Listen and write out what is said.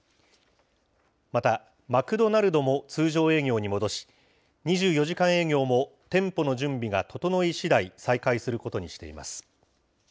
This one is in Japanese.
また、マクドナルドも通常営業に戻し、２４時間営業も、店舗の準備が整い次第、再開することにしています。